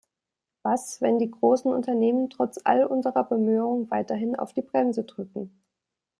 Was, wenn die großen Unternehmen trotz all unserer Bemühungen weiterhin auf die Bremse drücken?